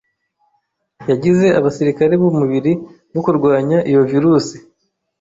yagize abasirikare b'umubiri bo kurwanya iyo virusi